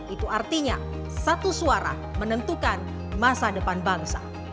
itu artinya satu suara menentukan masa depan bangsa